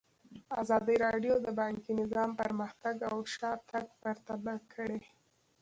ازادي راډیو د بانکي نظام پرمختګ او شاتګ پرتله کړی.